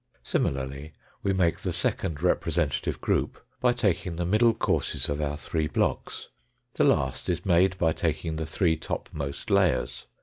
Similarly we make the second representative group by taking the middle courses of our three blocks. The last is made by taking the three topmost layers.